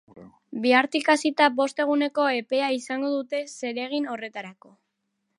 Bihartik hasita, bost eguneko epea izango dute zeregin horretarako.